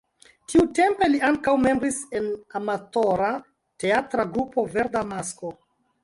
Tiutempe li ankaŭ membris en amatora teatra grupo Verda Masko.